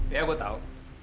iya gua tahu